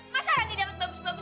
masa rani dapet bagus bagus